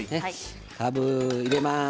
かぶを入れます。